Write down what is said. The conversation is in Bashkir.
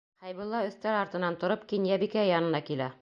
Хәйбулла өҫтәл артынан тороп, Кинйәбикә янына килә.